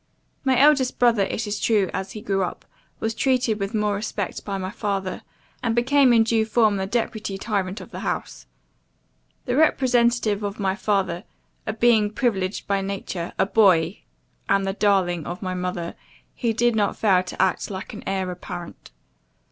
My eldest brother, it is true, as he grew up, was treated with more respect by my father; and became in due form the deputy tyrant of the house. The representative of my father, a being privileged by nature a boy, and the darling of my mother, he did not fail to act like an heir apparent.